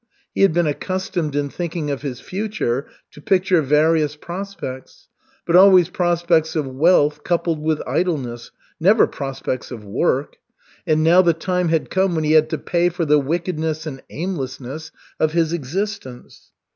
He had been accustomed in thinking of his future to picture various prospects, but always prospects of wealth coupled with idleness, never prospects of work. And now the time had come when he had to pay for the wickedness and aimlessness of his existence.